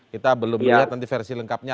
kita belum lihat nanti versi lengkapnya